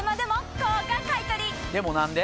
でも何で？